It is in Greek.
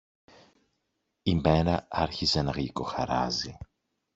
Η μέρα άρχιζε να γλυκοχαράζει.